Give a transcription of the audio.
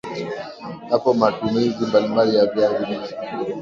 yapo ma tumizi mbalimbali ya viazi lishe